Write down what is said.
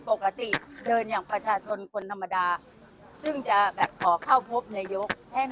ปกติเดินอย่างประชาชนคนธรรมดาซึ่งจะแบบขอเข้าพบนายกแห้ง